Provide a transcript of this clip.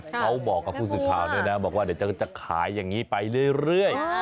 เขาบอกกับผู้สื่อข่าวด้วยนะบอกว่าเดี๋ยวจะขายอย่างนี้ไปเรื่อย